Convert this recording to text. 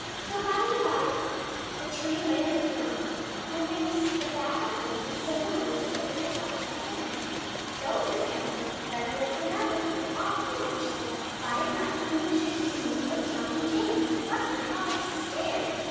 So by and by the tree lay on the ground, and there was the bag of gold and silver money that the wicked robber had hidden. " So !" says Caspar, " better late than never !" and off he marched with it. By and by whom should he meet but John and James. Bless me, how they stared!